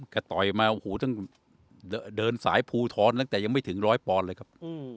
ก็ต่อยมาโอ้โหตั้งเดินสายภูทรตั้งแต่ยังไม่ถึงร้อยปอนด์เลยครับ